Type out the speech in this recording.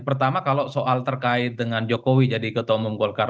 pertama kalau soal terkait dengan jokowi jadi ketua umum golkar